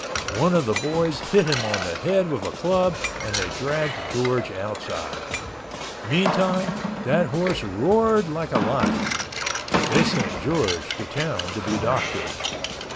One of the boys hit him on the head with a club and they dragged George outside. Meantime that horse roared like a lion. They sent George to town to be doctored.